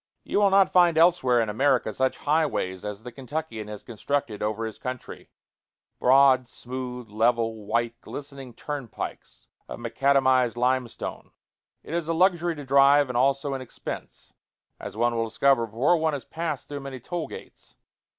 You will not find elsewhere in America such highways as the Kentuckian has constructed over his country broad, smooth, level, white, glistening turnpikes of macadamized limestone. It is a luxury to drive, and also an expense, as one will discover before one has passed through many toll gates.